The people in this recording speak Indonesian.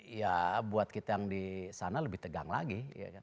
ya buat kita yang di sana lebih tegang lagi